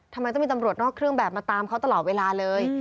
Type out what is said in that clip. ทำไมต้องมีตำรวจนอกเครื่องแบบมาตามเขาตลอดเวลาเลย